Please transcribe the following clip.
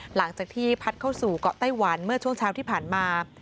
หลังจากที่พัดเข้าสู่เกาะไต้หวันเมื่อช่วงเช้าที่ผ่านมา